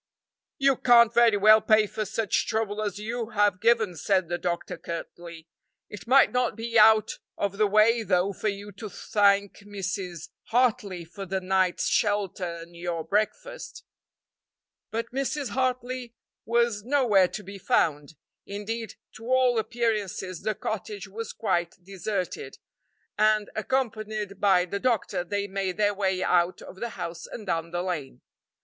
"You can't very well pay for such trouble as you have given," said the doctor curtly. "It might not be out of the way though for you to thank Mrs. Hartley for the night's shelter and your breakfast," but Mrs. Hartley was nowhere to be found indeed, to all appearances the cottage was quite deserted; and, accompanied by the doctor, they made their way out of the house and down the lane.